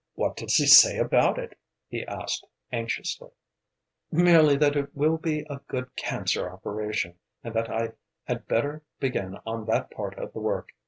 "What does he say about it?" he asked, anxiously. "Merely merely that it will be a good cancer operation, and that I had better begin on that part of the work.